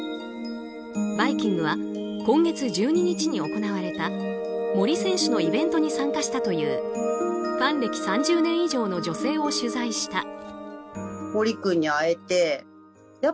「バイキング」は今月１２日に行われた森選手のイベントに参加したというファン歴３０年以上の女性を取材した。